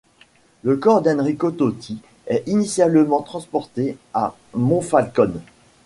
Le corps d'Enrico Toti est initialement transporté à Monfalcone.